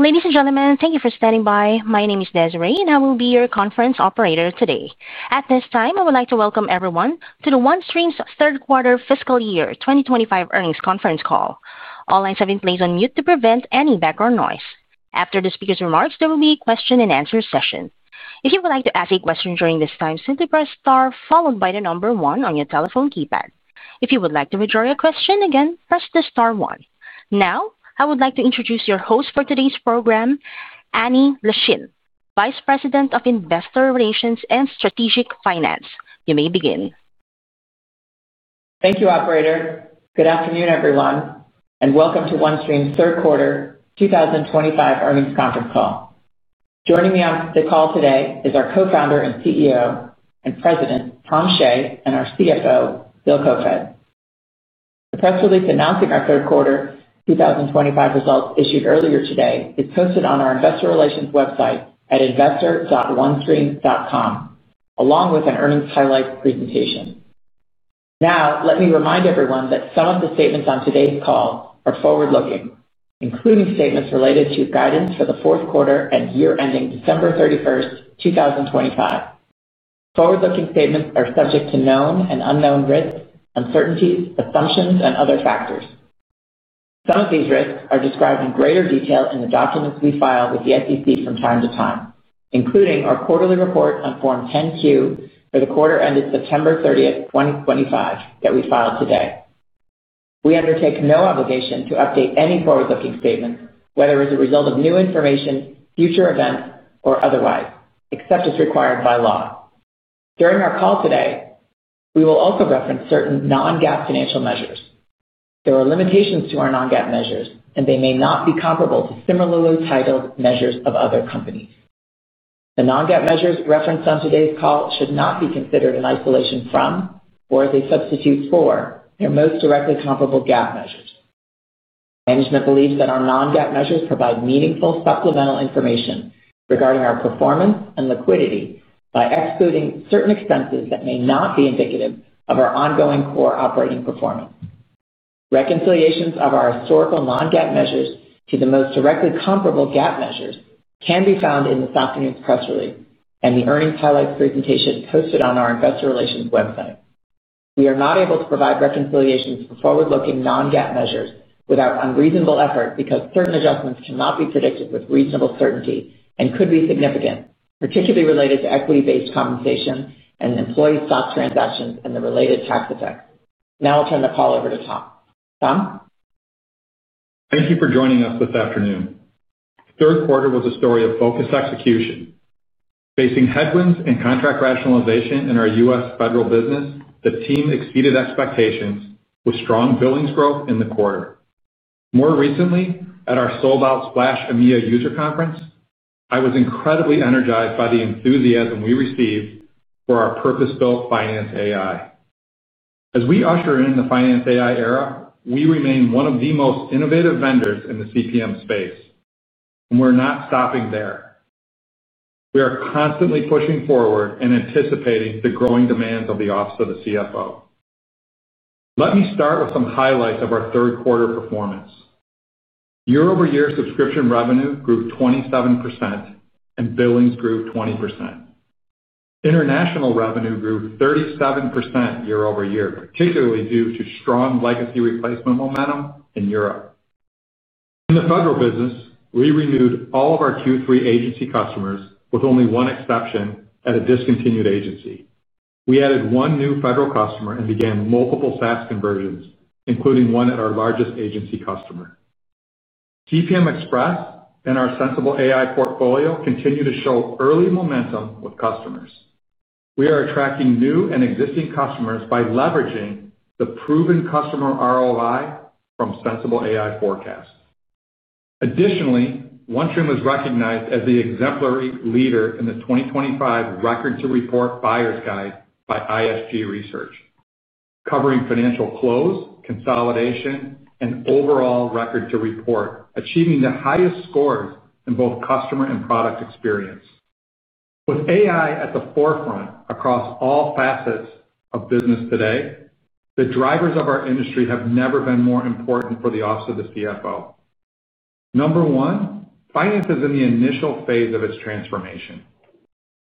Ladies and gentlemen, thank you for standing by. My name is Desiree, and I will be your conference operator today. At this time, I would like to welcome everyone to the OneStream's third-quarter fiscal year 2025 earnings conference call. All lines have been placed on mute to prevent any background noise. After the speaker's remarks, there will be a question-and-answer session. If you would like to ask a question during this time, simply press Star followed by the number One on your telephone keypad. If you would like to withdraw your question again, press the Star One. Now, I would like to introduce your host for today's program. Annie Leschin, Vice President of Investor Relations and Strategic Finance. You may begin. Thank you, Operator. Good afternoon, everyone, and welcome to OneStream's third-quarter 2025 earnings conference call. Joining me on the call today is our Co-founder and CEO and President, Tom Shea, and our CFO, Bill Koefoed. The press release announcing our third-quarter 2025 results issued earlier today is posted on our Investor Relations website at investor.onestream.com, along with an earnings highlight presentation. Now, let me remind everyone that some of the statements on today's call are forward-looking, including statements related to guidance for the fourth quarter and year-ending December 31, 2025. Forward-looking statements are subject to known and unknown risks, uncertainties, assumptions, and other factors. Some of these risks are described in greater detail in the documents we file with the SEC from time to time, including our Quarterly Report on Form 10-Q for the quarter ended September 30, 2025, that we filed today. We undertake no obligation to update any forward-looking statements, whether as a result of new information, future events, or otherwise, except as required by law. During our call today, we will also reference certain non-GAAP financial measures. There are limitations to our non-GAAP measures, and they may not be comparable to similarly titled measures of other companies. The non-GAAP measures referenced on today's call should not be considered in isolation from or as a substitute for their most directly comparable GAAP measures. Management believes that our non-GAAP measures provide meaningful supplemental information regarding our performance and liquidity by excluding certain expenses that may not be indicative of our ongoing Core operating performance. Reconciliations of our historical non-GAAP measures to the most directly comparable GAAP measures can be found in this afternoon's press release and the earnings highlights presentation posted on our Investor Relations website. We are not able to provide reconciliations for forward-looking non-GAAP measures without unreasonable effort because certain adjustments cannot be predicted with reasonable certainty and could be significant, particularly related to equity-based compensation and employee stock transactions and the related tax effects. Now I'll turn the call over to Tom. Tom? Thank you for joining us this afternoon. Third quarter was a story of focused execution. Facing headwinds in contract rationalization in our U.S. federal business, the team exceeded expectations with strong billings growth in the quarter. More recently, at our sold-out Splash AMEA user conference, I was incredibly energized by the enthusiasm we received for our purpose-built Finance AI. As we usher in the Finance AI era, we remain one of the most innovative vendors in the CPM space. We are not stopping there. We are constantly pushing forward and anticipating the growing demands of the office of the CFO. Let me start with some highlights of our third-quarter performance. Year-over-year subscription revenue grew 27%, and billings grew 20%. International revenue grew 37% year-over-year, particularly due to strong legacy replacement momentum in Europe. In the federal business, we renewed all of our Q3 agency customers with only one exception at a discontinued agency. We added one new federal customer and began multiple SaaS conversions, including one at our largest agency customer. CPM Express and our Sensible AI portfolio continue to show early momentum with customers. We are attracting new and existing customers by leveraging the proven customer ROI from Sensible AI forecasts. Additionally, OneStream was recognized as the exemplary leader in the 2025 Record to Report Buyers Guide by ISG Research. Covering financial close, consolidation, and overall record to report, achieving the highest sCores in both customer and product experience. With AI at the forefront across all facets of business today, the drivers of our industry have never been more important for the office of the CFO. Number one, finance is in the initial phase of its transformation.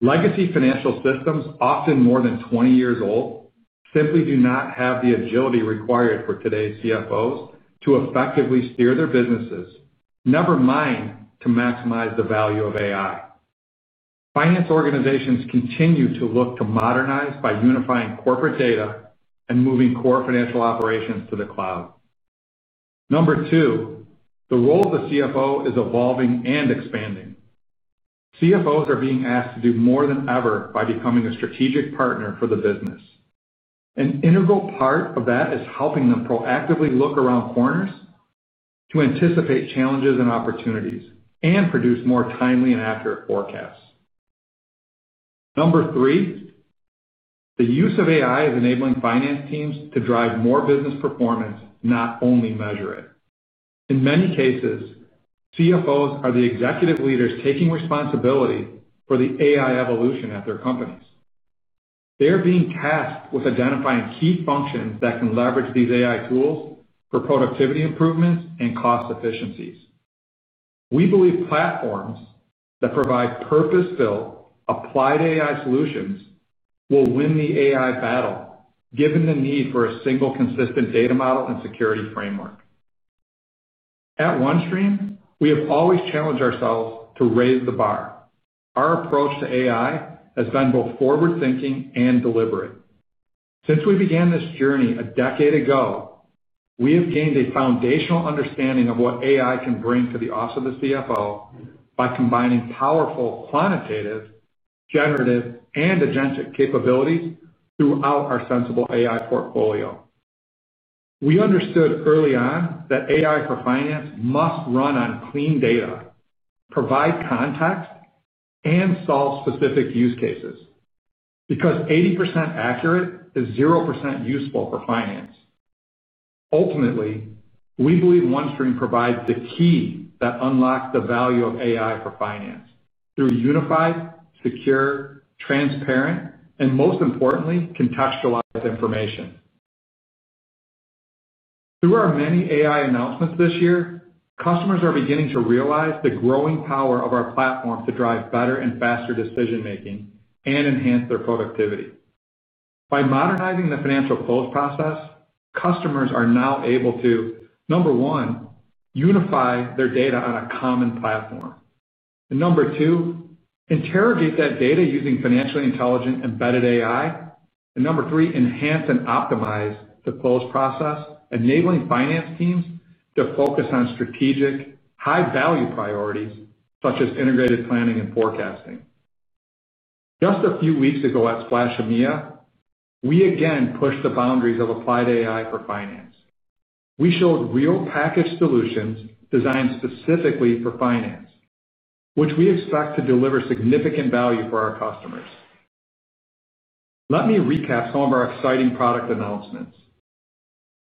Legacy financial systems, often more than 20 years old, simply do not have the agility required for today's CFOs to effectively steer their businesses, never mind to maximize the value of AI. Finance organizations continue to look to modernize by unifying corporate data and moving Core financial operations to the cloud. Number two, the role of the CFO is evolving and expanding. CFOs are being asked to do more than ever by becoming a strategic partner for the business. An integral part of that is helping them proactively look around corners to anticipate challenges and opportunities and produce more timely and accurate forecasts. Number three. The use of AI is enabling finance teams to drive more business performance, not only measure it. In many cases, CFOs are the executive leaders taking responsibility for the AI evolution at their companies. They are being tasked with identifying key functions that can leverage these AI tools for productivity improvements and cost efficiencies. We believe platforms that provide purpose-built applied AI solutions will win the AI battle, given the need for a single consistent data model and security framework. At OneStream, we have always challenged ourselves to raise the bar. Our approach to AI has been both forward-thinking and deliberate. Since we began this journey a decade ago, we have gained a foundational understanding of what AI can bring to the office of the CFO by combining powerful quantitative, generative, and Agentic capabilities throughout our Sensible AI portfolio. We understood early on that AI for finance must run on clean data, provide context, and solve specific use cases because 80% accurate is 0% useful for finance. Ultimately, we believe OneStream provides the key that unlocks the value of AI for finance through unified, secure, transparent, and most importantly, contextualized information. Through our many AI announcements this year, customers are beginning to realize the growing power of our platform to drive better and faster decision-making and enhance their productivity. By modernizing the financial close process, customers are now able to, number one, unify their data on a common platform. Number two, interrogate that data using financially intelligent embedded AI. Number three, enhance and optimize the close process, enabling finance teams to focus on strategic, high-value priorities such as integrated planning and forecasting. Just a few weeks ago at Splash AMEA, we again pushed the boundaries of applied AI for finance. We showed real packaged solutions designed specifically for finance, which we expect to deliver significant value for our customers. Let me recap some of our exciting product announcements.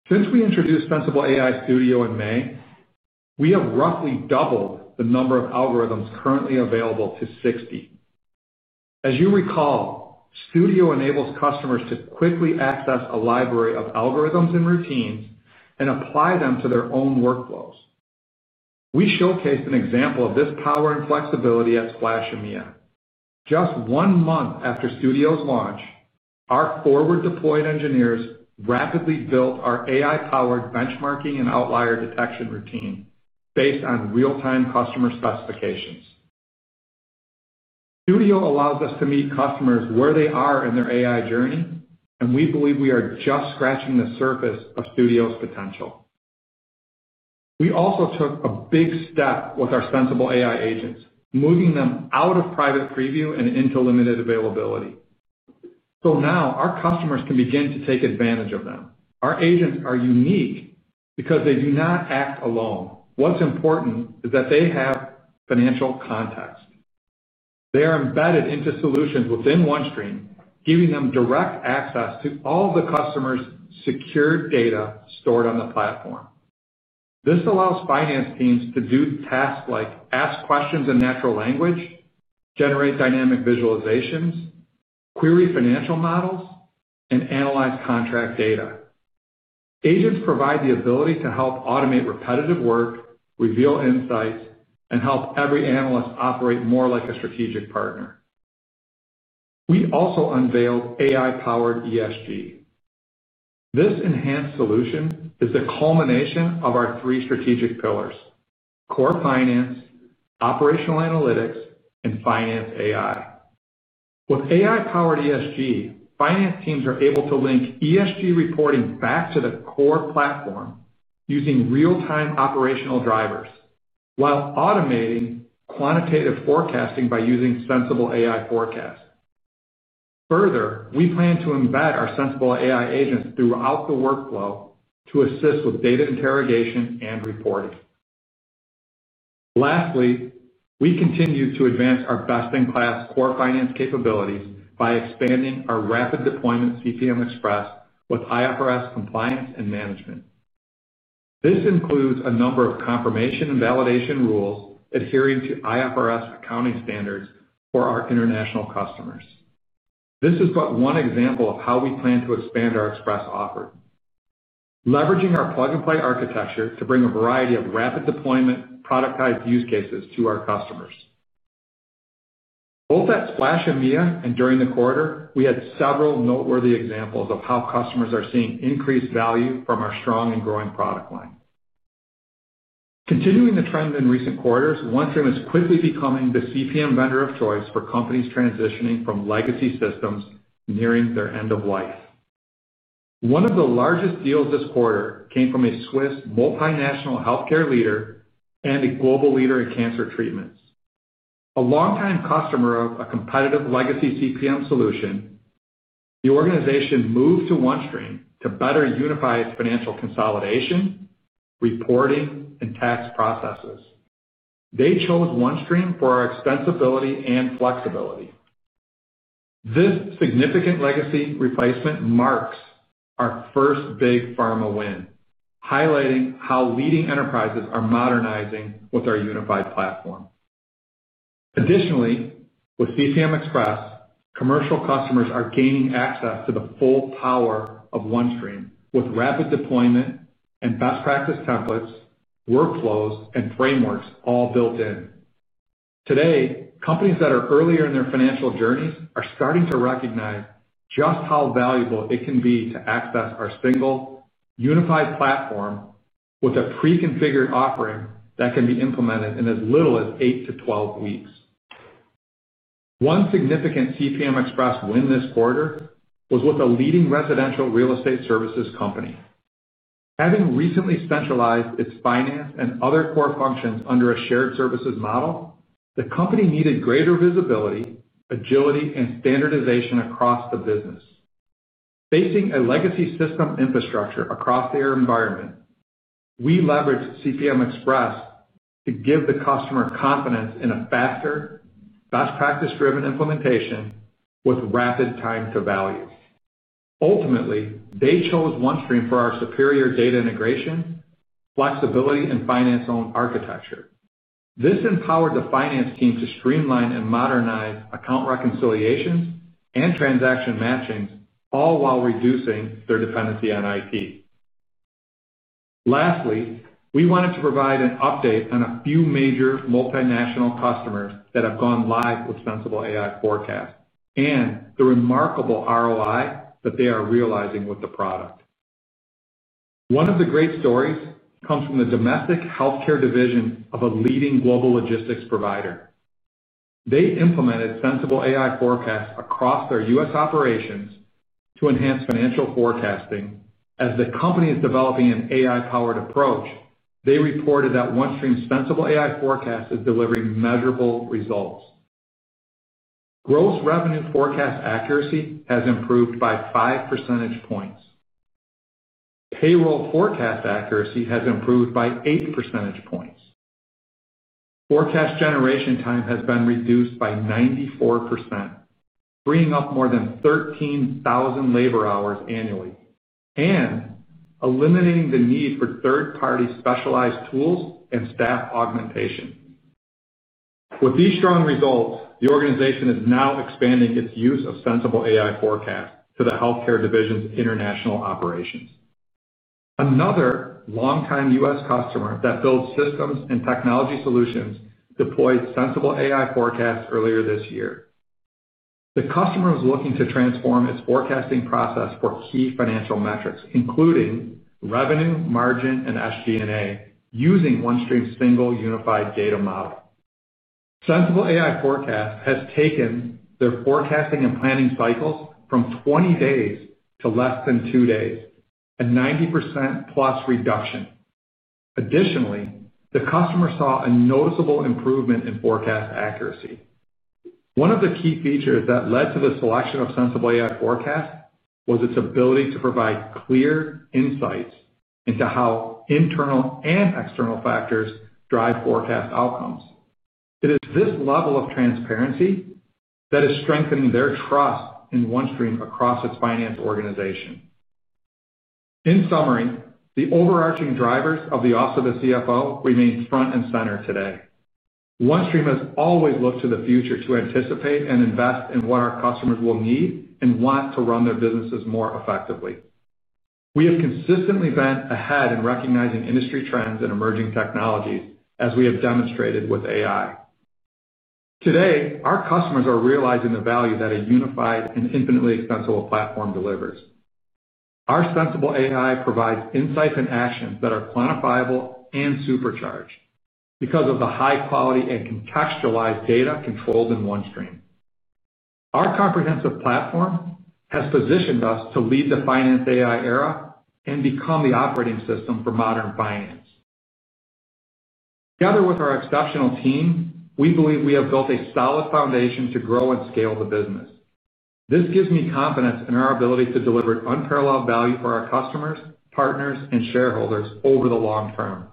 Since we introduced Sensible AI Studio in May, we have roughly doubled the number of algorithms currently available to 60. As you recall, Studio enables customers to quickly access a library of algorithms and routines and apply them to their own workflows. We showcased an example of this power and flexibility at Splash AMEA. Just one month after Studio's launch, our forward-deployed engineers rapidly built our AI-powered benchmarking and outlier detection routine based on real-time customer specifications. Studio allows us to meet customers where they are in their AI journey, and we believe we are just scratching the surface of Studio's potential. We also took a big step with our Sensible AI Agents, moving them out of private preview and into limited availability. Now our customers can begin to take advantage of them. Our Agents are unique because they do not act alone. What's important is that they have financial context. They are embedded into solutions within OneStream, giving them direct access to all of the customers' secured data stored on the platform. This allows finance teams to do tasks like ask questions in natural language, generate dynamic visualizations, query financial models, and analyze contract data. Agents provide the ability to help automate repetitive work, reveal insights, and help every analyst operate more like a strategic partner. We also unveiled AI-powered ESG. This enhanced solution is the culmination of our three strategic pillars: Core finance, operational analytics, and Finance AI. With AI-powered ESG, finance teams are able to link ESG reporting back to the Core platform using real-time operational drivers while automating quantitative forecasting by using Sensible AI forecasts. Further, we plan to embed our Sensible AI Agents throughout the workflow to assist with data interrogation and reporting. Lastly, we continue to advance our best-in-class Core finance capabilities by expanding our rapid deployment CPM Express with IFRS compliance and management. This includes a number of confirmation and validation rules adhering to IFRS accounting standards for our international customers. This is but one example of how we plan to expand our Express offering. Leveraging our plug-and-play architecture to bring a variety of rapid deployment productized use cases to our customers. Both at Splash AMEA and during the quarter, we had several noteworthy examples of how customers are seeing increased value from our strong and growing product line. Continuing the trend in recent quarters, OneStream is quickly becoming the CPM vendor of choice for companies transitioning from legacy systems nearing their end of life. One of the largest deals this quarter came from a Swiss multinational healthcare leader and a global leader in cancer treatments. A longtime customer of a competitive legacy CPM solution. The organization moved to OneStream to better unify financial consolidation, reporting, and tax processes. They chose OneStream for our extensibility and flexibility. This significant legacy replacement marks our first big pharma win, highlighting how leading enterprises are modernizing with our unified platform. Additionally, with CPM Express, commercial customers are gaining access to the full power of OneStream with rapid deployment and best practice templates, workflows, and frameworks all built in. Today, companies that are earlier in their financial journeys are starting to recognize just how valuable it can be to access our single unified platform with a pre-configured offering that can be implemented in as little as 8-12 weeks. One significant CPM Express win this quarter was with a leading residential real estate services company. Having recently centralized its finance and other Core functions under a shared services model, the company needed greater visibility, agility, and standardization across the business. Facing a legacy system infrastructure across their environment, we leveraged CPM Express to give the customer confidence in a faster, best practice-driven implementation with rapid time to value. Ultimately, they chose OneStream for our superior data integration, flexibility, and finance-owned architecture. This empowered the finance team to streamline and modernize account reconciliations and transaction matchings, all while reducing their dependency on IT. Lastly, we wanted to provide an update on a few major multinational customers that have gone live with Sensible AI forecasts and the remarkable ROI that they are realizing with the product. One of the great stories comes from the domestic healthcare division of a leading global logistics provider. They implemented Sensible AI forecasts across their U.S. operations to enhance financial forecasting. As the company is developing an AI-powered approach, they reported that OneStream's Sensible AI forecast is delivering measurable results. Gross revenue forecast accuracy has improved by 5% points. Payroll forecast accuracy has improved by 8 percentage points. Forecast generation time has been reduced by 94%. Bringing up more than 13,000 labor hours annually and eliminating the need for third-party specialized tools and staff augmentation. With these strong results, the organization is now expanding its use of Sensible AI forecasts to the healthcare division's international operations. Another longtime U.S. customer that builds systems and technology solutions deployed Sensible AI forecasts earlier this year. The customer is looking to transform its forecasting process for key financial metrics, including. Revenue, margin, and SG&A, using OneStream's single unified data model. Sensible AI forecast has taken their forecasting and planning cycles from 20 days to less than 2 days, a 90%+ reduction. Additionally, the customer saw a noticeable improvement in forecast accuracy. One of the key features that led to the selection of Sensible AI forecast was its ability to provide clear insights into how internal and external factors drive forecast outcomes. It is this level of transparency that is strengthening their trust in OneStream across its finance organization. In summary, the overarching drivers of the office of the CFO remain front and center today. OneStream has always looked to the future to anticipate and invest in what our customers will need and want to run their businesses more effectively. We have consistently been ahead in recognizing industry trends and emerging technologies, as we have demonstrated with AI. Today, our customers are realizing the value that a unified and infinitely extensible platform delivers. Our Sensible AI provides insights and actions that are quantifiable and supercharged because of the high-quality and contextualized data controlled in OneStream. Our comprehensive platform has positioned us to lead the Finance AI era and become the operating system for modern finance. Together with our exceptional team, we believe we have built a solid foundation to grow and scale the business. This gives me confidence in our ability to deliver unparalleled value for our customers, partners, and shareholders over the long term.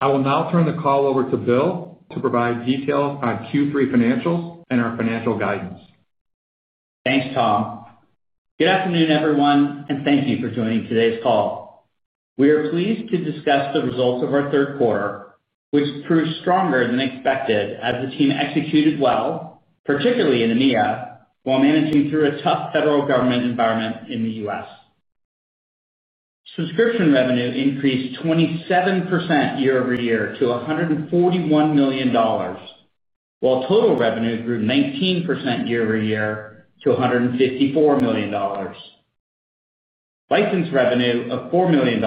I will now turn the call over to Bill to provide details on Q3 financials and our financial guidance. Thanks, Tom. Good afternoon, everyone, and thank you for joining today's call. We are pleased to discuss the results of our third quarter, which proved stronger than expected as the team executed well, particularly in AMEA, while managing through a tough federal government environment in the U.S. Subscription revenue increased 27% year-over-year to $141 million. While total revenue grew 19% year-over-year to $154 million. License revenue of $4 million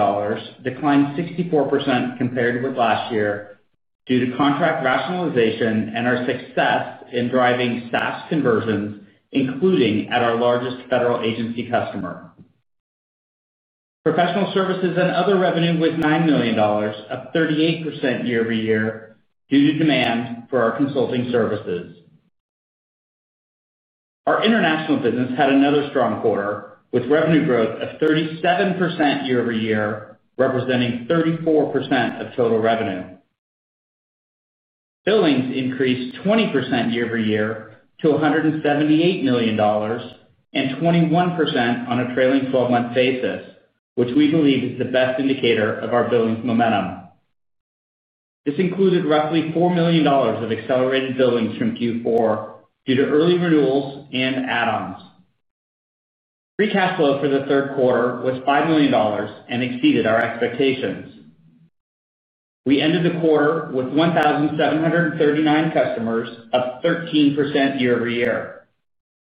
declined 64% compared with last year due to contract rationalization and our success in driving SaaS conversions, including at our largest federal agency customer. Professional services and other revenue was $9 million, up 38% year-over-year due to demand for our consulting services. Our international business had another strong quarter with revenue growth of 37% year-over-year, representing 34% of total revenue. Billings increased 20% year-over-year to $178 million. and 21% on a trailing 12-months basis, which we believe is the best indicator of our billings momentum. This included roughly $4 million of accelerated billings from Q4 due to early renewals and add-ons. Free cash flow for the third quarter was $5 million and exceeded our expectations. We ended the quarter with 1,739 customers, up 13% year-over-year.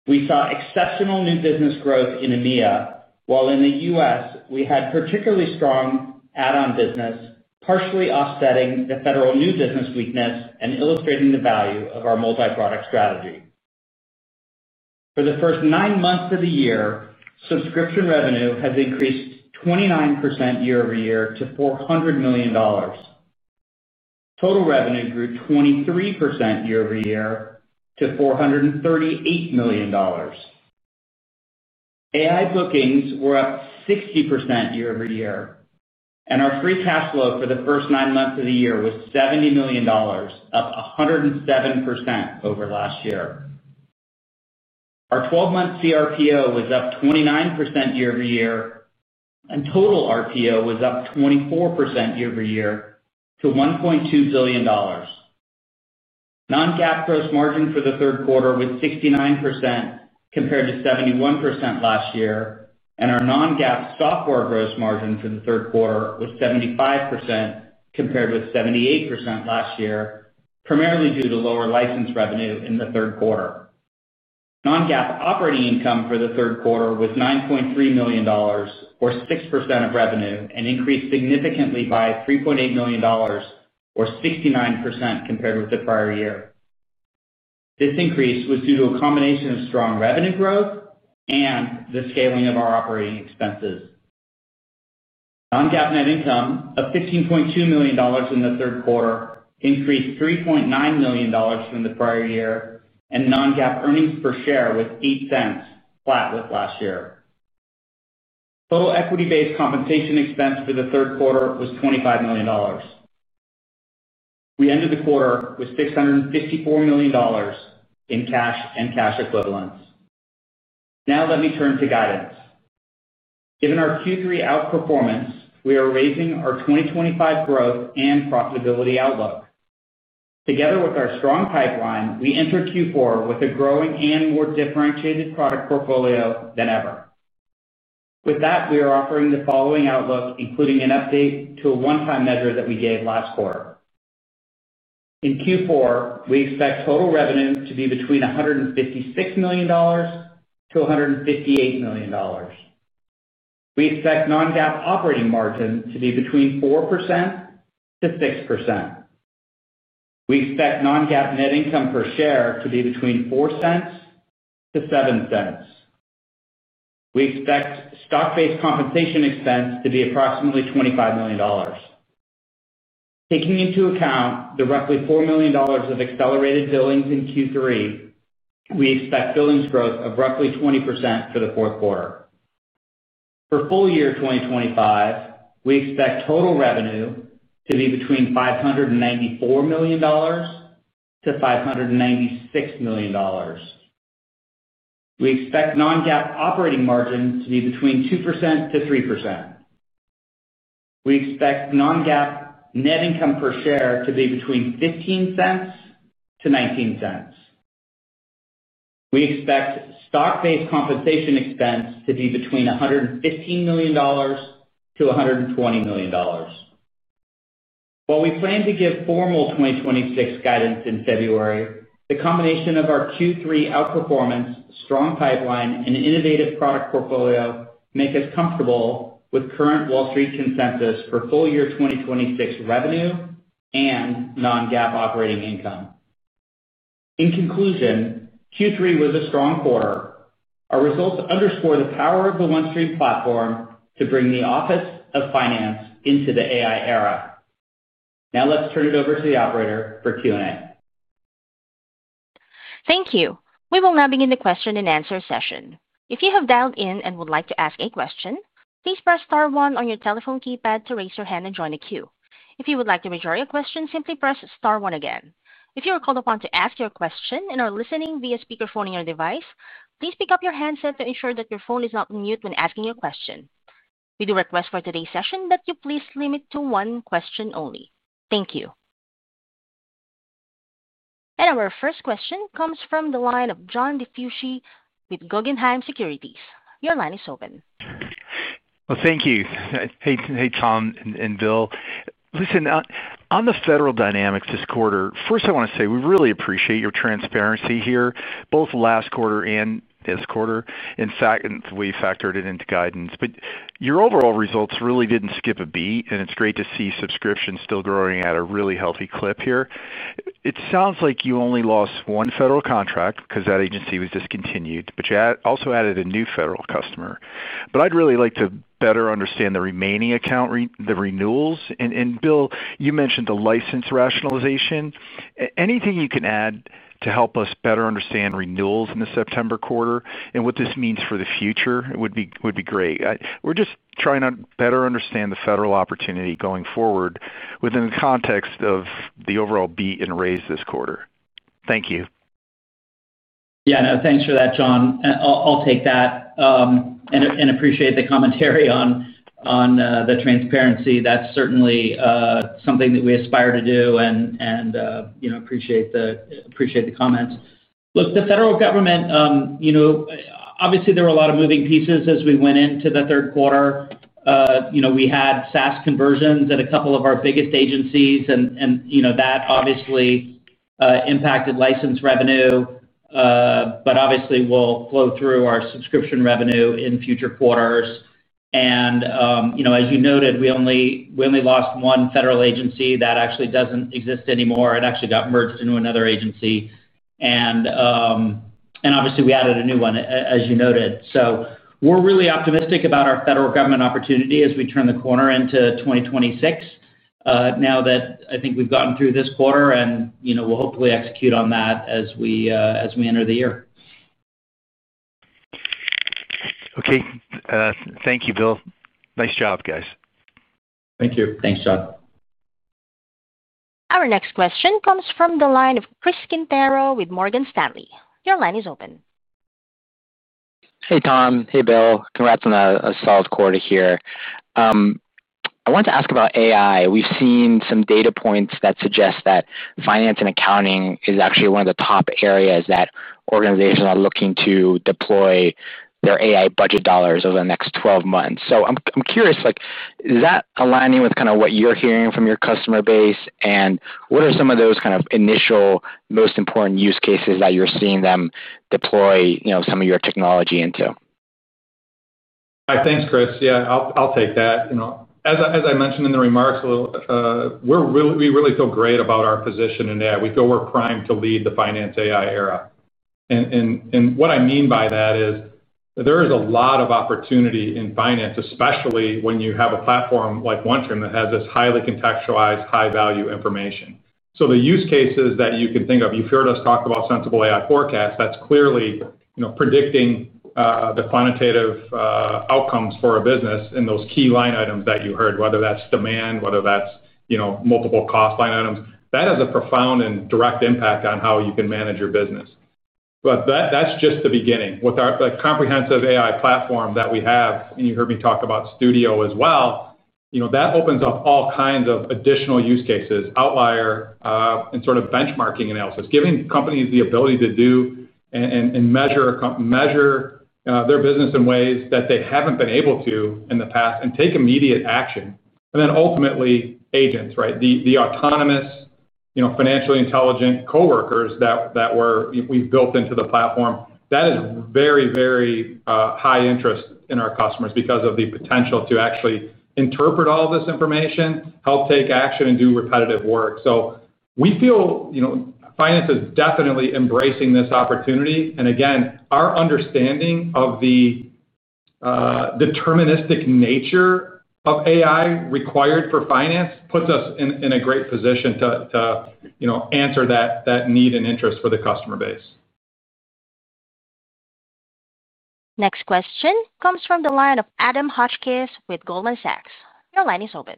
We saw exceptional new business growth in AMEA, while in the U.S., we had particularly strong add-on business, partially offsetting the federal new business weakness and illustrating the value of our multi-product strategy. For the first nine months of the year, subscription revenue has increased 29% year-over-year to $400 million. Total revenue grew 23% year-over-year to $438 million. AI bookings were up 60% year-over-year, and our free cash flow for the first nine months of the year was $70 million, up 107% over last year. Our 12-month CRPO was up 29% year-over-year, and total RPO was up 24% year-over-year to $1.2 billion. Non-GAAP gross margin for the third quarter was 69% compared to 71% last year, and our non-GAAP software gross margin for the third quarter was 75% compared with 78% last year, primarily due to lower license revenue in the third quarter. Non-GAAP operating income for the third quarter was $9.3 million, or 6% of revenue, and increased significantly by $3.8 million, or 69% compared with the prior year. This increase was due to a combination of strong revenue growth and the scaling of our operating expenses. Non-GAAP net income of $15.2 million in the third quarter increased $3.9 million from the prior year, and non-GAAP earnings per share was $0.08, flat with last year. Total equity-based compensation expense for the third quarter was $25 million. We ended the quarter with $654 million in cash and cash equivalents. Now let me turn to guidance. Given our Q3 outperformance, we are raising our 2025 growth and profitability outlook. Together with our strong pipeline, we entered Q4 with a growing and more differentiated product portfolio than ever. With that, we are offering the following outlook, including an update to a one-time measure that we gave last quarter. In Q4, we expect total revenue to be between $156 million-$158 million. We expect non-GAAP operating margin to be between 4%-6%. We expect non-GAAP net income per share to be between $0.04-$0.07. We expect stock-based compensation expense to be approximately $25 million. Taking into account the roughly $4 million of accelerated billings in Q3, we expect billings growth of roughly 20% for the fourth quarter. For full year 2025, we expect total revenue to be between $594 million-$596 million. We expect non-GAAP operating margin to be between 2%-3%. We expect non-GAAP net income per share to be between $0.15-$0.19. We expect stock-based compensation expense to be between $115 million-$120 million. While we plan to give formal 2026 guidance in February, the combination of our Q3 outperformance, strong pipeline, and innovative product portfolio makes us comfortable with current WallStreet Consensus for full year 2026 revenue and non-GAAP operating income. In conclusion, Q3 was a strong quarter. Our results undersCore the power of the OneStream platform to bring the Office of Finance into the AI era. Now let's turn it over to the operator for Q&A. Thank you. We will now begin the question and answer session. If you have dialed in and would like to ask a question, please press Star One on your telephone keypad to raise your hand and join the queue. If you would like to raise your question, simply press Star One again. If you are called upon to ask your question and are listening via speakerphone on your device, please pick up your handset to ensure that your phone is not on mute when asking your question. We do request for today's session that you please limit to one question only. Thank you. Our first question comes from the line of John DeFucci with Guggenheim Securities. Your line is open. Thank you. Hey, Tom and Bill. Listen, on the federal dynamics this quarter, first I want to say we really appreciate your transparency here, both last quarter and this quarter. In fact, we factored it into guidance. Your overall results really did not skip a beat, and it is great to see subscriptions still growing at a really healthy clip here. It sounds like you only lost one federal contract because that agency was discontinued, but you also added a new federal customer. I would really like to better understand the remaining account, the renewals. Bill, you mentioned the license rationalization. Anything you can add to help us better understand renewals in the September quarter and what this means for the future would be great. We are just trying to better understand the federal opportunity going forward within the context of the overall beat and raise this quarter. Thank you. Yeah, no, thanks for that, John. I'll take that. I appreciate the commentary on the transparency. That's certainly something that we aspire to do and appreciate the comments. Look, the federal government, obviously, there were a lot of moving pieces as we went into the third quarter. We had SaaS conversions at a couple of our biggest agencies, and that obviously impacted license revenue, but obviously, will flow through our subscription revenue in future quarters. As you noted, we only lost one federal agency that actually does not exist anymore. It actually got merged into another agency. Obviously, we added a new one, as you noted. We are really optimistic about our federal government opportunity as we turn the corner into 2026. Now that I think we have gotten through this quarter, we will hopefully execute on that as we enter the year. Okay. Thank you, Bill. Nice job, guys. Thank you. Thanks, John. Our next question comes from the line of Chris Quintero with Morgan Stanley. Your line is open. Hey, Tom. Hey, Bill. Congrats on a solid quarter here. I wanted to ask about AI. We've seen some data points that suggest that finance and accounting is actually one of the top areas that organizations are looking to deploy their AI budget dollars over the next 12 months. I am curious, is that aligning with kind of what you're hearing from your customer base? What are some of those kind of initial, most important use cases that you're seeing them deploy some of your technology into? Thanks, Chris. Yeah, I'll take that. As I mentioned in the remarks. We really feel great about our position in AI. We feel we're primed to lead the Finance AI era. What I mean by that is there is a lot of opportunity in finance, especially when you have a platform like OneStream that has this highly contextualized, high-value information. The use cases that you can think of, you've heard us talk about Sensible AI Forecast. That's clearly predicting the quantitative outcomes for a business in those key line items that you heard, whether that's demand, whether that's multiple cost line items. That has a profound and direct impact on how you can manage your business. That's just the beginning. With our comprehensive AI platform that we have, and you heard me talk about Studio as well, that opens up all kinds of additional use cases, outlier, and sort of benchmarking analysis, giving companies the ability to do and measure their business in ways that they haven't been able to in the past and take immediate action. Then ultimately, Agents, right? The autonomous, financially intelligent coworkers that we've built into the platform, that is very, very high interest in our customers because of the potential to actually interpret all this information, help take action, and do repetitive work. We feel finance is definitely embracing this opportunity. Again, our understanding of the deterministic nature of AI required for finance puts us in a great position to answer that need and interest for the customer base. Next question comes from the line of Adam Hotchkiss with Goldman Sachs. Your line is open.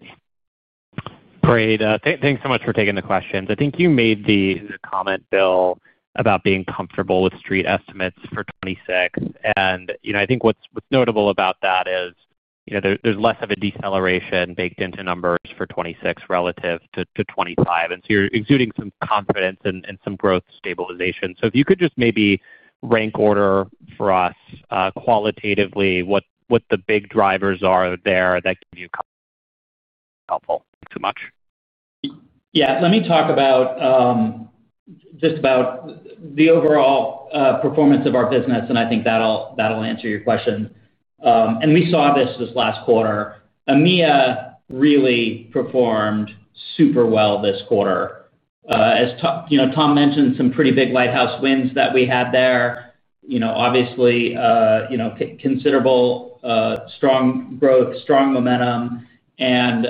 Great. Thanks so much for taking the questions. I think you made the comment, Bill, about being comfortable with street estimates for 2026. I think what's notable about that is there's less of a deceleration baked into numbers for 2026 relative to 2025, and you're exuding some confidence and some growth stabilization. If you could just maybe rank order for us qualitatively what the big drivers are there that give you. Helpful. Thanks so much. Yeah. Let me talk about just about the overall performance of our business, and I think that'll answer your questions. We saw this last quarter. AMEA really performed super well this quarter. As Tom mentioned, some pretty big lighthouse wins that we had there. Obviously, considerable strong growth, strong momentum, and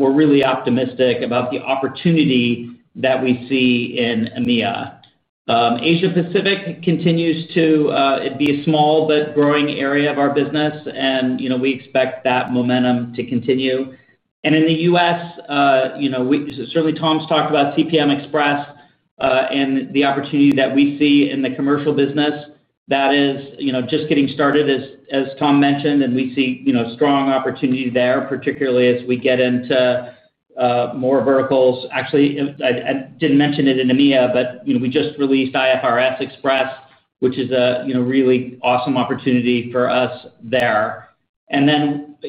we're really optimistic about the opportunity that we see in AMEA. Asia-Pacific continues to be a small but growing area of our business, and we expect that momentum to continue. In the U.S., certainly, Tom's talked about CPM Express and the opportunity that we see in the commercial business that is just getting started, as Tom mentioned, and we see strong opportunity there, particularly as we get into more verticals. Actually, I did not mention it in AMEA, but we just released IFRS Express, which is a really awesome opportunity for us there. On the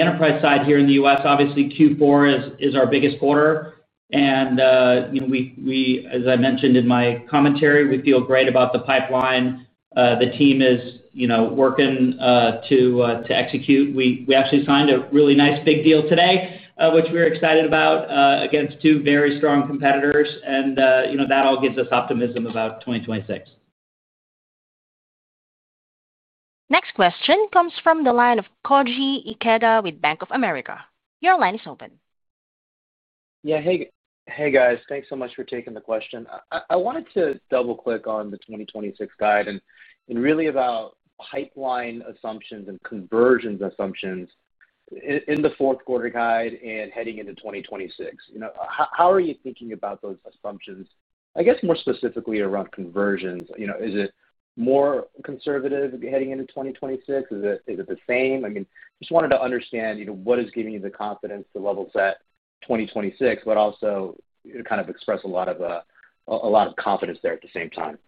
enterprise side here in the U.S., obviously, Q4 is our biggest quarter. As I mentioned in my commentary, we feel great about the pipeline. The team is working to execute. We actually signed a really nice big deal today, which we are excited about against two very strong competitors. That all gives us optimism about 2026. Next question comes from the line of Koji Ikeda with Bank of America. Your line is open. Yeah. Hey, guys. Thanks so much for taking the question. I wanted to double-click on the 2026 guide and really about pipeline assumptions and conversions assumptions. In the fourth quarter guide and heading into 2026, how are you thinking about those assumptions? I guess more specifically around conversions. Is it more conservative heading into 2026? Is it the same? I mean, just wanted to understand what is giving you the confidence to level set 2026, but also kind of express a lot of confidence there at the same time.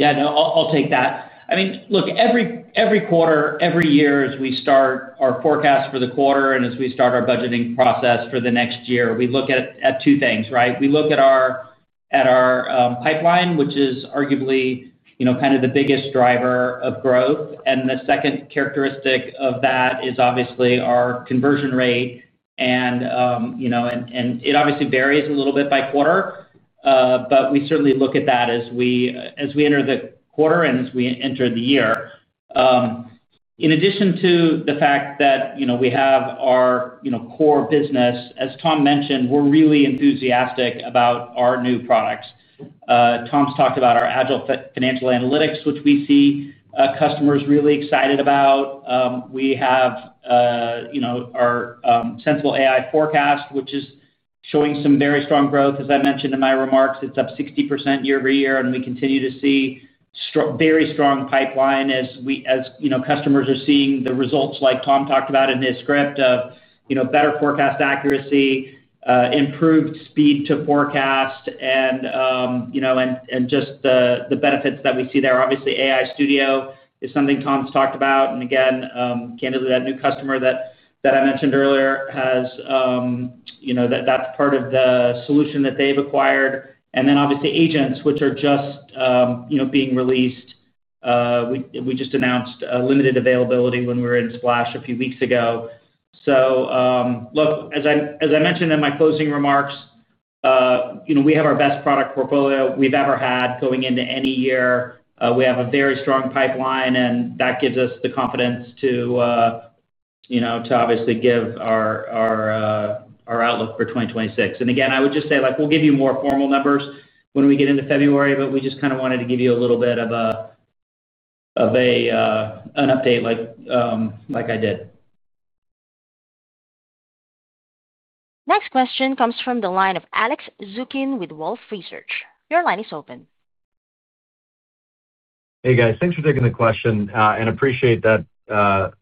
Yeah. No, I'll take that. I mean, look, every quarter, every year, as we start our forecast for the quarter and as we start our budgeting process for the next year, we look at two things, right? We look at our pipeline, which is arguably kind of the biggest driver of growth. And the second characteristic of that is obviously our conversion rate. It obviously varies a little bit by quarter. We certainly look at that as we enter the quarter and as we enter the year. In addition to the fact that we have our Core business, as Tom mentioned, we're really enthusiastic about our new products. Tom's talked about our agile financial analytics, which we see customers really excited about. We have our Sensible AI forecasts, which is showing some very strong growth. As I mentioned in my remarks, it's up 60% year-over-year, and we continue to see very strong pipeline as customers are seeing the results like Tom talked about in his script of better forecast accuracy, improved speed to forecast, and just the benefits that we see there. Obviously, Sensible AI Studio is something Tom's talked about. Again, candidly, that new customer that I mentioned earlier has, that's part of the solution that they've acquired. Obviously, Sensible AI Agents, which are just being released. We just announced limited availability when we were in Splash a few weeks ago. Look, as I mentioned in my closing remarks. We have our best product portfolio we've ever had going into any year. We have a very strong pipeline, and that gives us the confidence to obviously give our outlook for 2026. Again, I would just say we'll give you more formal numbers when we get into February, but we just kind of wanted to give you a little bit of an update like I did. Next question comes from the line of Alex Zukin with Wolfe Research. Your line is open. Hey, guys. Thanks for taking the question, and appreciate that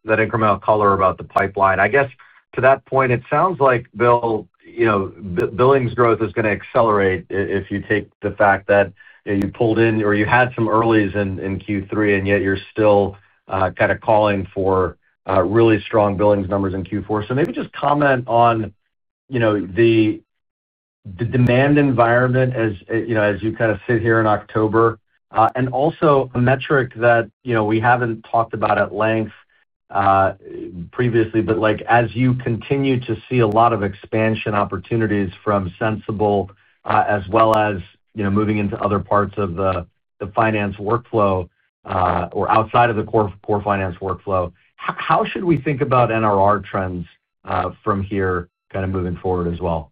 incremental color about the pipeline. I guess to that point, it sounds like, Bill. Billings growth is going to accelerate if you take the fact that you pulled in or you had some earlys in Q3, and yet you're still kind of calling for really strong billings numbers in Q4. Maybe just comment on the demand environment as you kind of sit here in October. Also, a metric that we haven't talked about at length previously, but as you continue to see a lot of expansion opportunities from Sensible as well as moving into other parts of the finance workflow or outside of the Core finance workflow, how should we think about NRR trends from here kind of moving forward as well?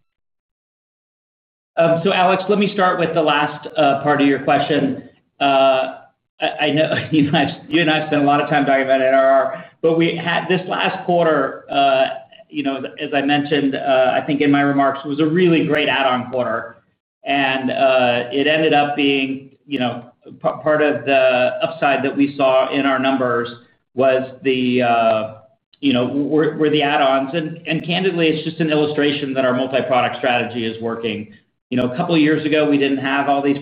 Alex, let me start with the last part of your question. I know you and I spent a lot of time talking about NRR, but this last quarter. As I mentioned, I think in my remarks, was a really great add-on quarter. It ended up being part of the upside that we saw in our numbers. The add-ons were the upside. Candidly, it's just an illustration that our multi-product strategy is working. A couple of years ago, we didn't have all these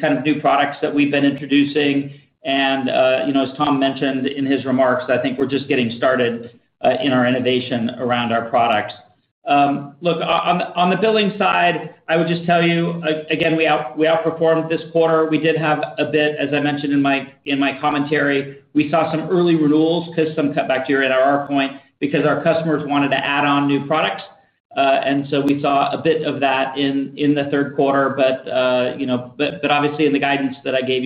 kind of new products that we've been introducing. As Tom mentioned in his remarks, I think we're just getting started in our innovation around our products. Look, on the billing side, I would just tell you, again, we outperformed this quarter. We did have a bit, as I mentioned in my commentary. We saw some early renewals, to your NRR point, because our customers wanted to add on new products. We saw a bit of that in the third quarter. Obviously, in the guidance that I gave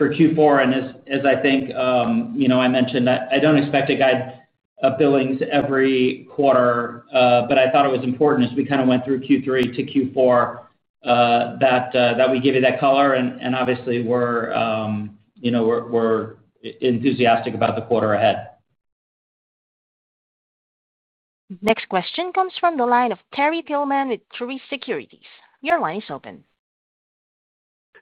you for Q4, and as I think I mentioned, I do not expect a guide of billings every quarter, but I thought it was important as we kind of went through Q3 to Q4 that we give you that color. Obviously, we are enthusiastic about the quarter ahead. Next question comes from the line of Terry Tillman with Truist Securities. Your line is open.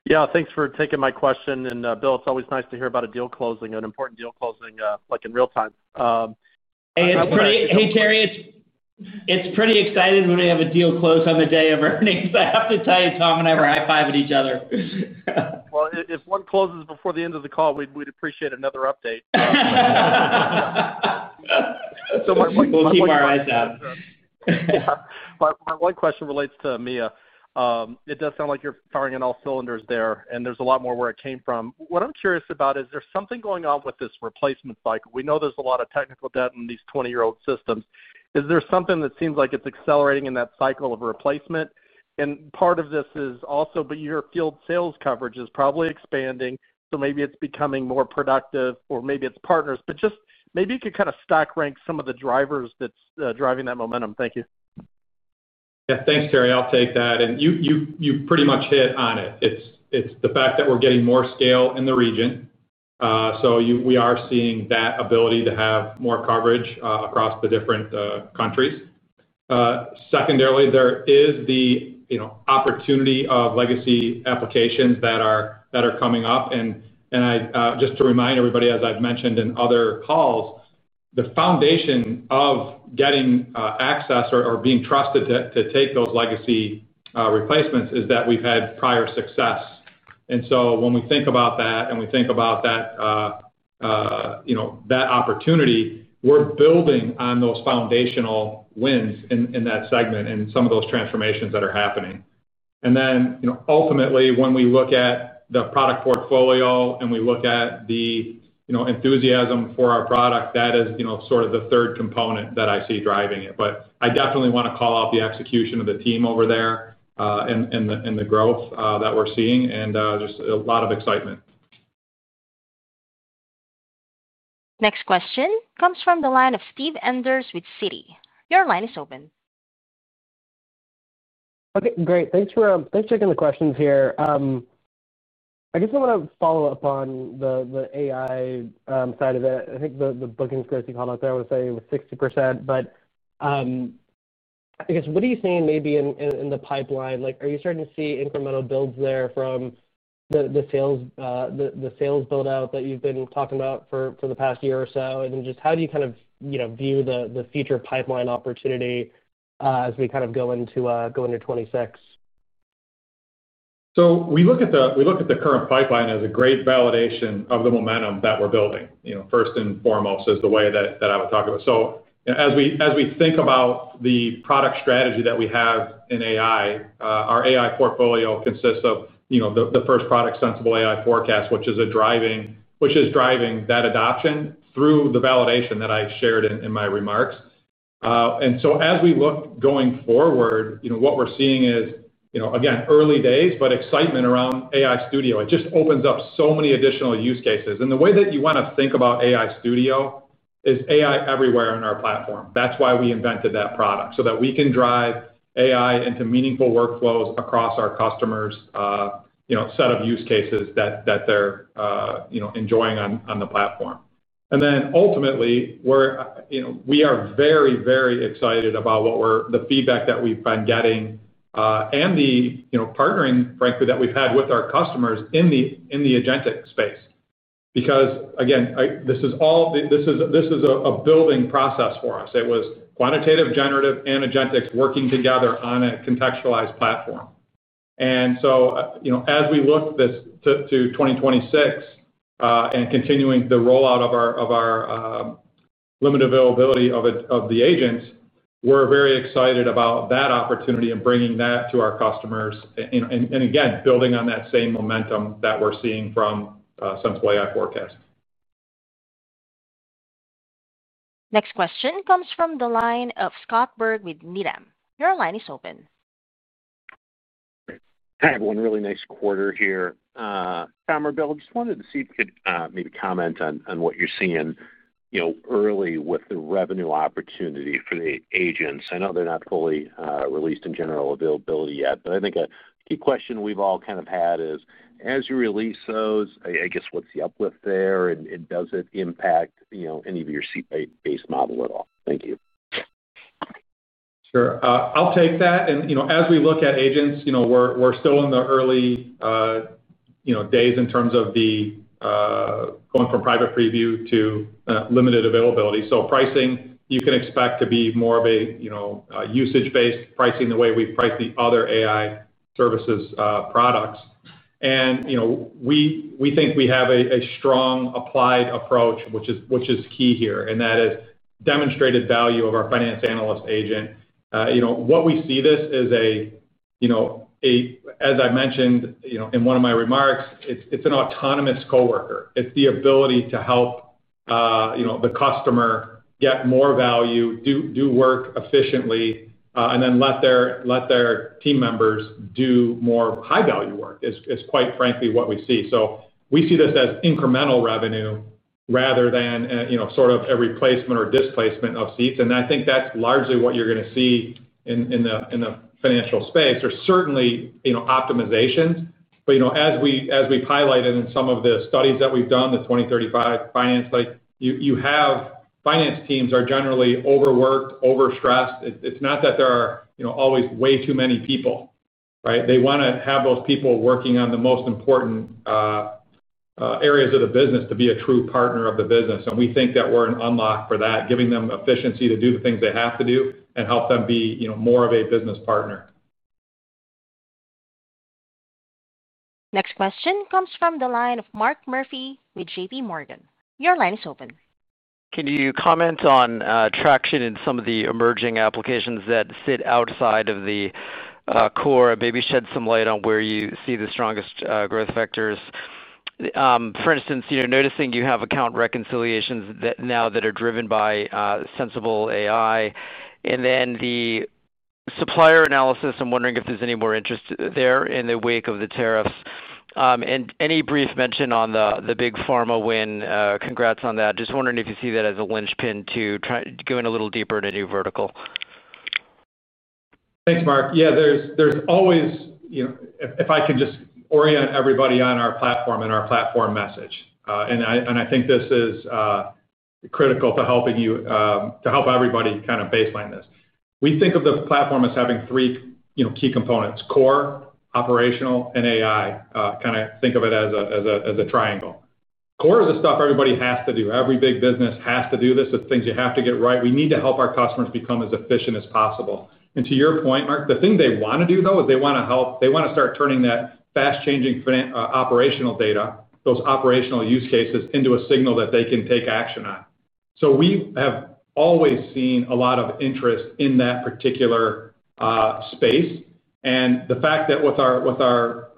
Yeah, thanks for taking my question. And Bill, it is always nice to hear about a deal closing, an important deal closing in real time. Hey, Terry. It is pretty exciting when we have a deal close on the day of earnings. I have to tell you, Tom and I were high-fiving each other. If one closes before the end of the call, we would appreciate another update. We will keep our eyes out. My one question relates to AMEA. It does sound like you're firing on all cylinders there, and there's a lot more where it came from. What I'm curious about is there's something going on with this replacement cycle. We know there's a lot of technical debt in these 20-year-old systems. Is there something that seems like it's accelerating in that cycle of replacement? Part of this is also, but your field sales coverage is probably expanding, so maybe it's becoming more productive, or maybe it's partners. Just maybe you could kind of stack rank some of the drivers that's driving that momentum. Thank you. Yeah. Thanks, Terry. I'll take that. You pretty much hit on it. It's the fact that we're getting more scale in the region. We are seeing that ability to have more coverage across the different countries. Secondarily, there is the opportunity of legacy applications that are coming up. Just to remind everybody, as I've mentioned in other calls, the foundation of getting access or being trusted to take those legacy replacements is that we've had prior success. When we think about that and we think about that opportunity, we're building on those foundational wins in that segment and some of those transformations that are happening. Ultimately, when we look at the product portfolio and we look at the enthusiasm for our product, that is sort of the third component that I see driving it. I definitely want to call out the execution of the team over there and the growth that we're seeing and just a lot of excitement. Next question comes from the line of Steve Enders with Citi. Your line is open. Okay. Great. Thanks for taking the questions here. I guess I want to follow up on the AI side of it. I think the bookings growth you called out there, I would say, was 60%. I guess what are you seeing maybe in the pipeline? Are you starting to see incremental builds there from the sales build-out that you've been talking about for the past year or so? Just how do you kind of view the future pipeline opportunity as we kind of go into 2026? We look at the current pipeline as a great validation of the momentum that we're building, first and foremost, is the way that I would talk about it. As we think about the product strategy that we have in AI, our AI portfolio consists of the first product, Sensible AI forecasts, which is driving that adoption through the validation that I shared in my remarks. As we look going forward, what we're seeing is, again, early days, but excitement around AI Studio. It just opens up so many additional use cases. The way that you want to think about AI Studio is AI everywhere on our platform. That's why we invented that product, so that we can drive AI into meaningful workflows across our customers' set of use cases that they're enjoying on the platform. Ultimately, we are very, very excited about the feedback that we've been getting and the partnering, frankly, that we've had with our customers in the Agentic space. Because again, this is all a building process for us. It was quantitative, generative, and Agentic working together on a contextualized platform. As we look to 2026 and continuing the rollout of our. Limited availability of the Agents, we're very excited about that opportunity and bringing that to our customers. Again, building on that same momentum that we're seeing from Sensible AI Forecast. Next question comes from the line of Scott Berg with Needham. Your line is open. I have one really nice quarter here. Tom or Bill, I just wanted to see if you could maybe comment on what you're seeing early with the revenue opportunity for the Agents. I know they're not fully released in general availability yet, but I think a key question we've all kind of had is, as you release those, I guess what's the uplift there? Does it impact any of your seat-based model at all? Thank you. Sure. I'll take that. As we look at Agents, we're still in the early days in terms of going from private preview to limited availability. Pricing, you can expect to be more of a usage-based pricing the way we price the other AI Services products. We think we have a strong applied approach, which is key here. That is demonstrated value of our Finance Analyst Agent. What we see this is a, as I mentioned in one of my remarks, it's an autonomous coworker. It's the ability to help the customer get more value, do work efficiently, and then let their team members do more high-value work is quite frankly what we see. We see this as incremental revenue rather than sort of a replacement or displacement of seats. I think that's largely what you're going to see in the Financial space. There's certainly optimizations. As we've highlighted in some of the studies that we've done, the 2035 Finance Study, you have finance teams that are generally overworked, overstressed. It's not that there are always way too many people. Right? They want to have those people working on the most important areas of the business to be a true partner of the business. We think that we're an unlock for that, giving them efficiency to do the things they have to do and help them be more of a business partner. Next question comes from the line of Mark Murphy with JPMorgan. Your line is open. Can you comment on traction in some of the emerging applications that sit outside of the Core and maybe shed some light on where you see the strongest growth factors? For instance, noticing you have account reconciliations now that are driven by Sensible AI. The supplier analysis, I'm wondering if there's any more interest there in the wake of the tariffs. Any brief mention on the big pharma win? Congrats on that. Just wondering if you see that as a linchpin to going a little deeper in a new vertical. Thanks, Mark. Yeah. If I can just orient everybody on our platform and our platform message. I think this is critical to helping you to help everybody kind of baseline this. We think of the platform as having three key components: Core, operational, and AI. Kind of think of it as a triangle. Core is the stuff everybody has to do. Every big business has to do this. It is things you have to get right. We need to help our customers become as efficient as possible. To your point, Mark, the thing they want to do, though, is they want to help. They want to start turning that fast-changing operational data, those operational use cases, into a signal that they can take action on. We have always seen a lot of interest in that particular space. The fact that with our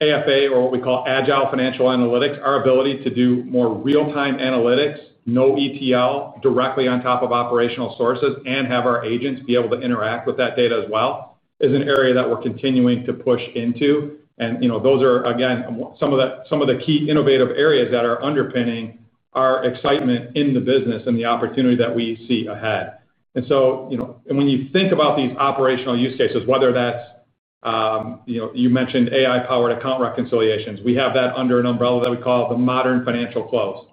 AFA, or what we call agile financial analytics, our ability to do more real-time analytics, no ETL, directly on top of operational sources, and have our Agents be able to interact with that data as well is an area that we're continuing to push into. Those are, again, some of the key innovative areas that are underpinning our excitement in the business and the opportunity that we see ahead. When you think about these operational use cases, whether that's—you mentioned AI-powered account reconciliations, we have that under an umbrella that we call the modern financial close.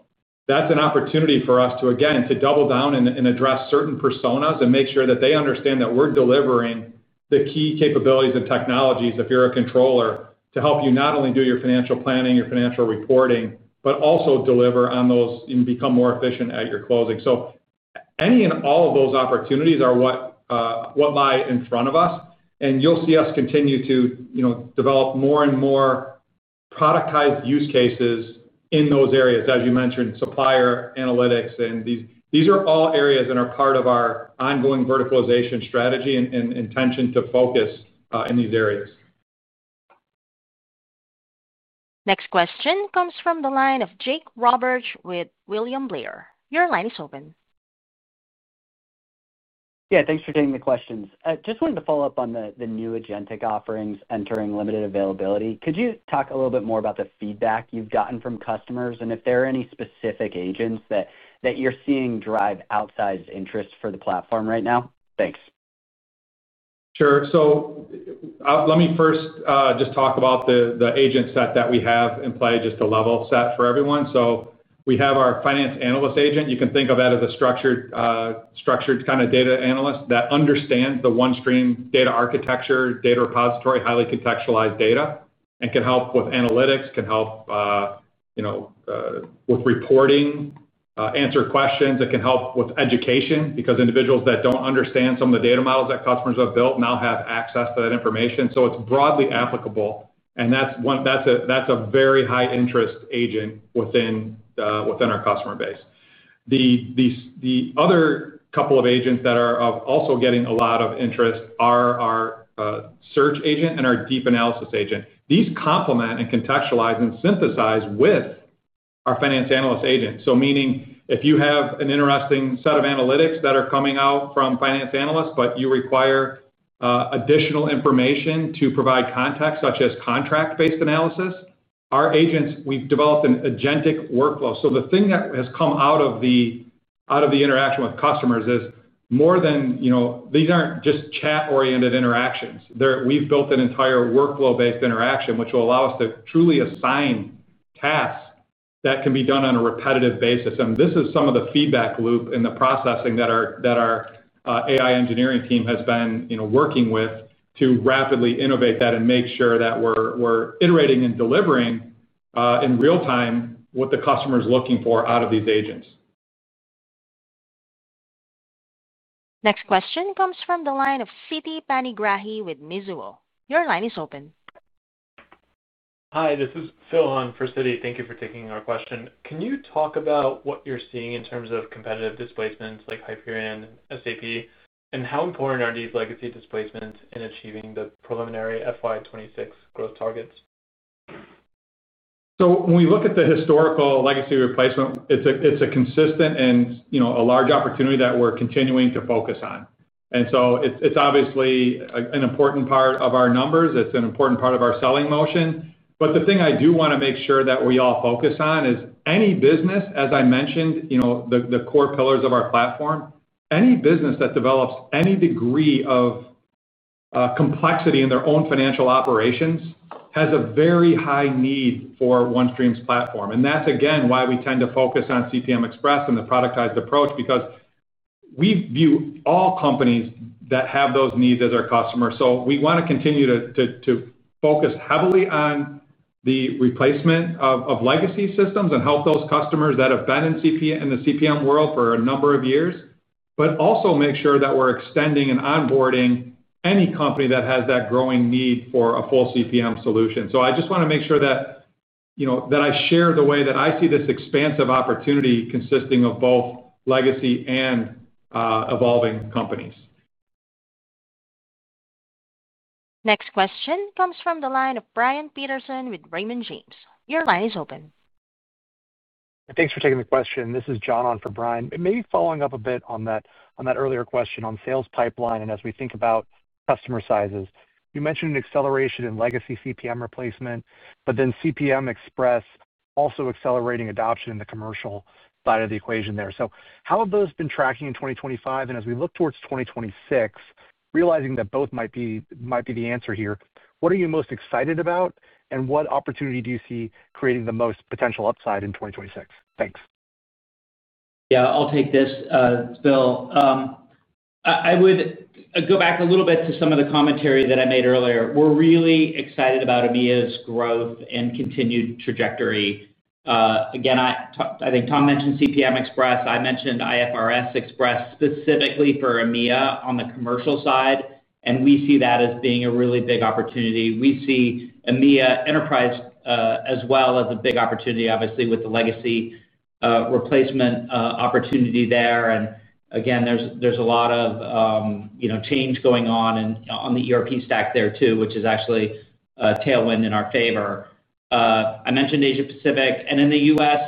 That's an opportunity for us to, again, double down and address certain personas and make sure that they understand that we're delivering the key capabilities and technologies, if you're a controller, to help you not only do your financial planning, your financial reporting, but also deliver on those and become more efficient at your closing. Any and all of those opportunities are what lie in front of us. You'll see us continue to develop more and more productized use cases in those areas, as you mentioned, supplier analytics. These are all areas that are part of our ongoing verticalization strategy and intention to focus in these areas. Next question comes from the line of Jake Roberge with William Blair. Your line is open. Yeah. Thanks for taking the questions. Just wanted to follow up on the new Agentic offerings entering limited availability. Could you talk a little bit more about the feedback you've gotten from customers and if there are any specific Agents that you're seeing drive outsized interest for the platform right now? Thanks. Sure. Let me first just talk about the Agent set that we have in play, just to level set for everyone. We have our finance analyst Agent. You can think of that as a structured kind of data analyst that understands the OneStream data architecture, data repository, highly contextualized data, and can help with analytics, can help with reporting, answer questions. It can help with education because individuals that don't understand some of the data models that customers have built now have access to that information. It's broadly applicable. That's a very high-interest Agent within our customer base. Other couple of Agents that are also getting a lot of interest are our search Agent and our deep analysis Agent. These complement and contextualize and synthesize with our finance analyst Agent. So meaning if you have an interesting set of analytics that are coming out from finance analysts, but you require additional information to provide context, such as contract-based analysis, our Agents, we've developed an Agentic workflow. The thing that has come out of the interaction with customers is more than these aren't just chat-oriented interactions. We've built an entire workflow-based interaction, which will allow us to truly assign tasks that can be done on a repetitive basis. This is some of the feedback loop in the processing that our AI engineering team has been working with to rapidly innovate that and make sure that we're iterating and delivering. In real time what the customer is looking for out of these Agents. Next question comes from the line of Siti Panigrahi with Mizuho. Your line is open. Hi. This is Phil on for Siti. Thank you for taking our question. Can you talk about what you're seeing in terms of competitive displacements like Hyperion and SAP? And how important are these legacy displacements in achieving the preliminary FY 2026 growth targets? When we look at the historical legacy replacement, it's a consistent and a large opportunity that we're continuing to focus on. It's obviously an important part of our numbers. It's an important part of our selling motion. The thing I do want to make sure that we all focus on is any business, as I mentioned, the Core pillars of our platform, any business that develops any degree of. Complexity in their own financial operations has a very high need for OneStream's platform. That's, again, why we tend to focus on CPM Express and the productized approach because we view all companies that have those needs as our customers. We want to continue to focus heavily on the replacement of legacy systems and help those customers that have been in the CPM world for a number of years, but also make sure that we're extending and onboarding any company that has that growing need for a full CPM solution. I just want to make sure that I share the way that I see this expansive opportunity consisting of both legacy and evolving companies. Next question comes from the line of Brian Peterson with Raymond James. Your line is open. Thanks for taking the question. This is John on for Brian. Maybe following up a bit on that earlier question on sales pipeline and as we think about customer sizes, you mentioned an acceleration in legacy CPM replacement, but then CPM Express also accelerating adoption in the commercial side of the equation there. How have those been tracking in 2025? As we look towards 2026, realizing that both might be the answer here, what are you most excited about? What opportunity do you see creating the most potential upside in 2026? Thanks. Yeah. I'll take this, Phil. I would go back a little bit to some of the commentary that I made earlier. We're really excited about AMEA's growth and continued trajectory. Again, I think Tom mentioned CPM Express. I mentioned IFRS Express specifically for AMEA on the commercial side. We see that as being a really big opportunity. We see AMEA enterprise as well as a big opportunity, obviously, with the legacy replacement opportunity there. Again, there is a lot of change going on on the ERP stack there too, which is actually a tailwind in our favor. I mentioned Asia-Pacific. In the U.S.,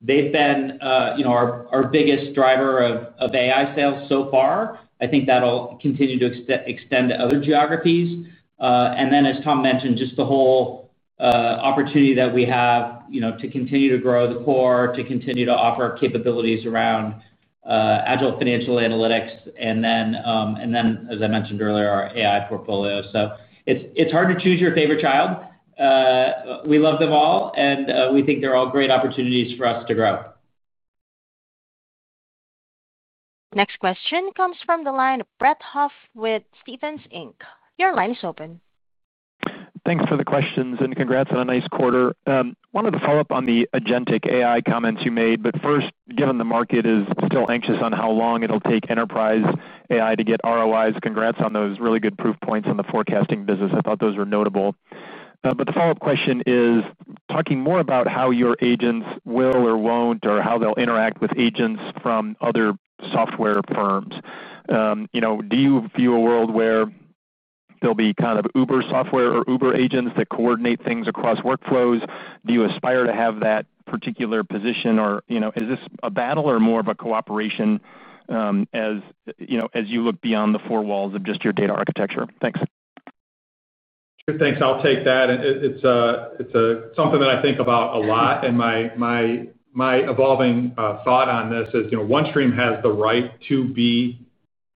they have been our biggest driver of AI sales so far. I think that will continue to extend to other geographies. As Tom mentioned, just the whole opportunity that we have to continue to grow the Core, to continue to offer capabilities around agile financial analytics, and then, as I mentioned earlier, our AI portfolio. It is hard to choose your favorite child. We love them all, and we think they are all great opportunities for us to grow. Next question comes from the line of Brett Huff with Stephens Inc. Your line is open. Thanks for the questions and congrats on a nice quarter. I wanted to follow up on the Agentic AI comments you made. First, given the market is still anxious on how long it'll take Enterprise AI to get ROIs, congrats on those really good proof points on the forecasting business. I thought those were notable. The follow-up question is talking more about how your Agents will or won't, or how they'll interact with Agents from other software firms. Do you view a world where there'll be kind of Uber software or Uber Agents that coordinate things across workflows? Do you aspire to have that particular position? Is this a battle or more of a cooperation as you look beyond the four walls of just your data architecture? Thanks. Sure. Thanks. I'll take that. It's something that I think about a lot. And my. Evolving thought on this is OneStream has the right to be,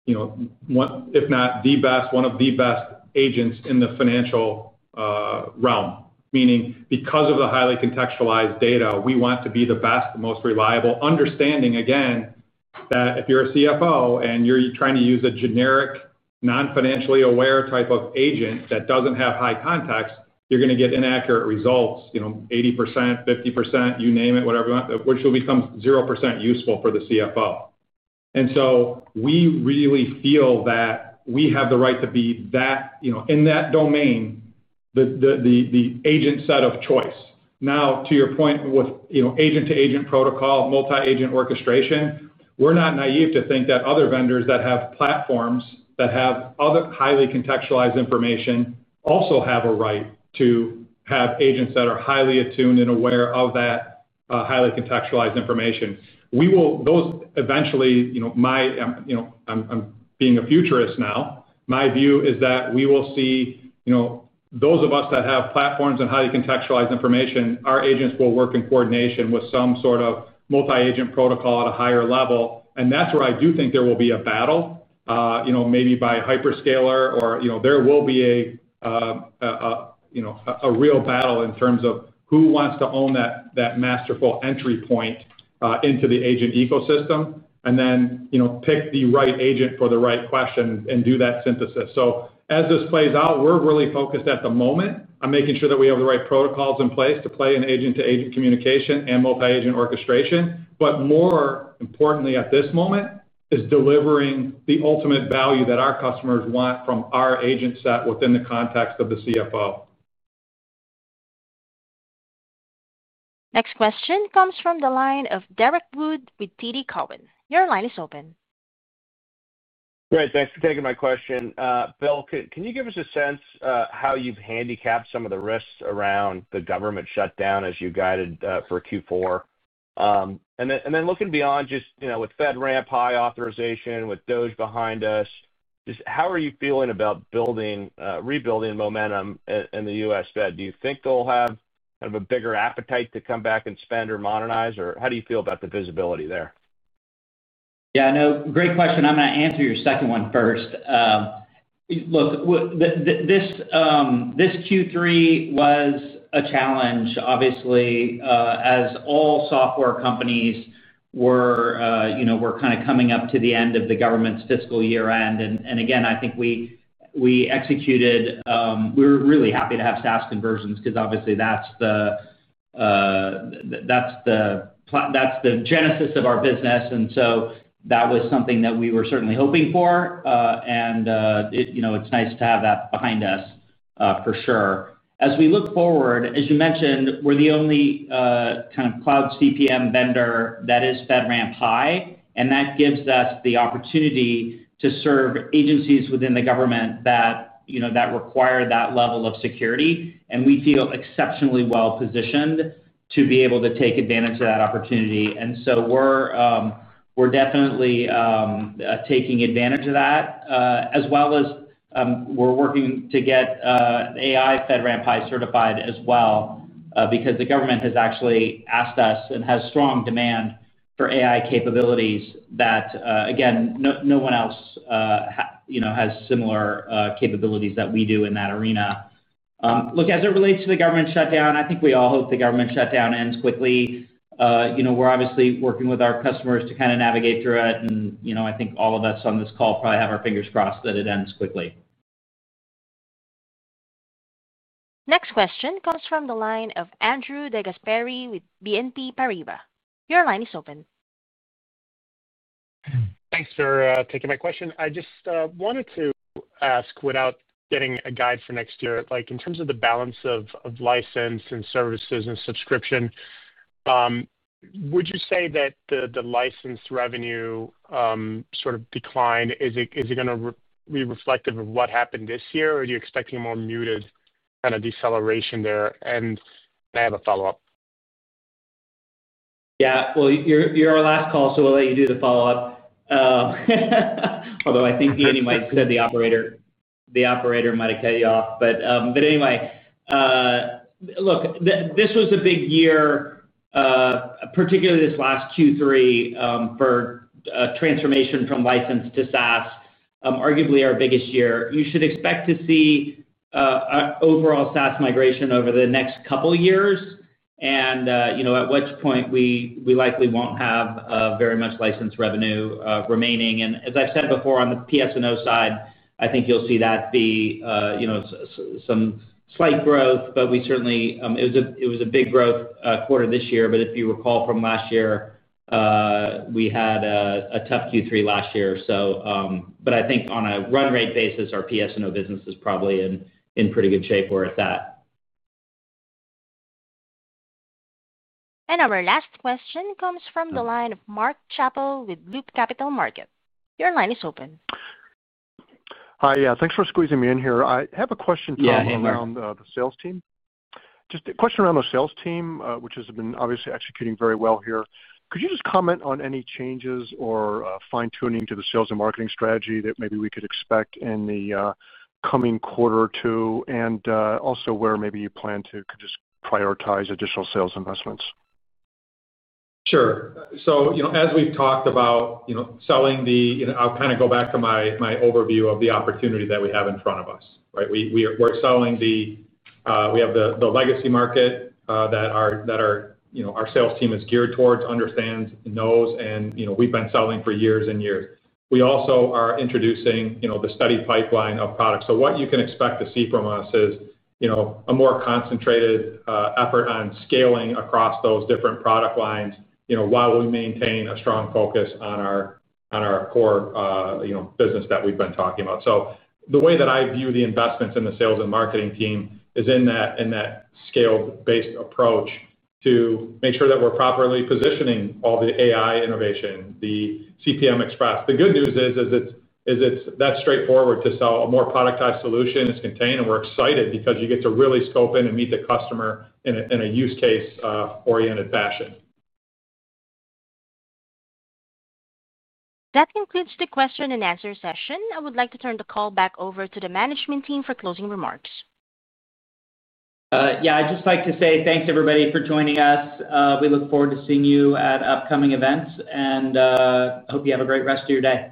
if not the best, one of the best Agents in the financial realm. Meaning, because of the highly contextualized data, we want to be the best, the most reliable, understanding, again, that if you're a CFO and you're trying to use a generic, non-financially aware type of Agent that doesn't have high context, you're going to get inaccurate results, 80%, 50%, you name it, whatever you want, which will become 0% useful for the CFO. We really feel that we have the right to be that, in that domain. The Agent set of choice. Now, to your point with Agent-to-agent protocol, multi-Agent orchestration, we're not naive to think that other vendors that have platforms that have other highly contextualized information also have a right to have Agents that are highly attuned and aware of that highly contextualized information. Those, eventually, my—I'm being a futurist now—my view is that we will see those of us that have platforms and highly contextualized information, our Agents will work in coordination with some sort of multi-Agent protocol at a higher level. That is where I do think there will be a battle, maybe by a hyperscaler, or there will be a real battle in terms of who wants to own that masterful entry point into the Agent ecosystem, and then pick the right Agent for the right question and do that synthesis. As this plays out, we're really focused at the moment on making sure that we have the right protocols in place to play in Agent-to-Agent communication and multi-Agent orchestration. More importantly, at this moment, is delivering the ultimate value that our customers want from our Agent set within the context of the CFO. Next question comes from the line of Derrick Wood with TD Cowen. Your line is open. Great. Thanks for taking my question. Bill, can you give us a sense of how you've handicapped some of the risks around the government shutdown as you guided for Q4? Looking beyond, just with FedRAMP High authorization, with DOD behind us, how are you feeling about rebuilding momentum in the U.S. Fed? Do you think they'll have kind of a bigger appetite to come back and spend or modernize? How do you feel about the visibility there? Yeah. No, great question. I'm going to answer your second one first. Look. Q3 was a challenge, obviously, as all software companies were. Kind of coming up to the end of the government's fiscal year-end. Again, I think we executed. We were really happy to have SaaS conversions because, obviously, that's the genesis of our business. That was something that we were certainly hoping for. It's nice to have that behind us for sure. As we look forward, as you mentioned, we're the only kind of cloud CPM vendor that is FedRAMP high. That gives us the opportunity to serve agencies within the government that require that level of security. We feel exceptionally well-positioned to be able to take advantage of that opportunity. We're definitely taking advantage of that, as well as. We're working to get AI FedRAMP High certified as well because the government has actually asked us and has strong demand for AI capabilities that, again, no one else has similar capabilities that we do in that arena. Look, as it relates to the government shutdown, I think we all hope the government shutdown ends quickly. We're obviously working with our customers to kind of navigate through it. I think all of us on this call probably have our fingers crossed that it ends quickly. Next question comes from the line of Andrew DeGasperi with BNP Paribas. Your line is open. Thanks for taking my question. I just wanted to ask without getting a guide for next year, in terms of the balance of license and services and subscription. Would you say that the license revenue. Sort of decline is going to be reflective of what happened this year, or are you expecting a more muted kind of deceleration there? I have a follow-up. Yeah. You're our last call, so we'll let you do the follow-up. I think anyway, the operator might have cut you off. Anyway. Look, this was a big year, particularly this last Q3, for transformation from license to SaaS, arguably our biggest year. You should expect to see overall SaaS migration over the next couple of years, at which point we likely will not have very much license revenue remaining. As I've said before, on the PS&O side, I think you'll see that be some slight growth, but certainly it was a big growth quarter this year. If you recall from last year, we had a tough Q3 last year. I think on a run-rate basis, our PS&O business is probably in pretty good shape. We're at that. Our last question comes from the line of Mark Chappell with Loop Capital Markets. Your line is open. Hi. Yeah. Thanks for squeezing me in here. I have a question, Tom, around the sales team. Just a question around the sales team, which has been obviously executing very well here. Could you just comment on any changes or fine-tuning to the sales and marketing strategy that maybe we could expect in the coming quarter or two? And also where maybe you plan to just prioritize additional sales investments. Sure. As we've talked about. Selling the I'll kind of go back to my overview of the opportunity that we have in front of us, right? We're selling the. We have the legacy market that. Our sales team is geared towards, understands, knows, and we've been selling for years and years. We also are introducing the steady pipeline of products. What you can expect to see from us is a more concentrated effort on scaling across those different product lines while we maintain a strong focus on our Core business that we've been talking about. The way that I view the investments in the sales and marketing team is in that scale-based approach to make sure that we're properly positioning all the AI innovation, the CPM Express. The good news is that's straightforward to sell. A more productized solution is contained, and we're excited because you get to really scope in and meet the customer in a use-case-oriented fashion. That concludes the question-and-answer session. I would like to turn the call back over to the management team for closing remarks. Yeah. I'd just like to say thanks, everybody, for joining us. We look forward to seeing you at upcoming events, and I hope you have a great rest of your day.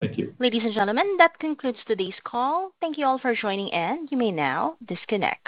Thank you. Ladies and gentlemen, that concludes today's call. Thank you all for joining in. You may now disconnect.